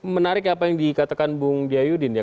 menarik ya apa yang dikatakan bung diayudin ya